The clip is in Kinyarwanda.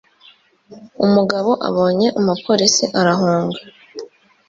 Umugabo abonye umupolisi arahunga